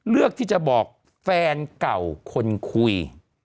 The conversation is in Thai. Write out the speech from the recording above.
เลือกที่จะบอกแฟนเก่าคนคุย